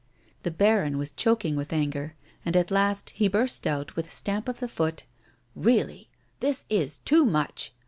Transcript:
The baron was choking with anger, and at last he burst out, with a stamp of the foot :" Keally, this is too much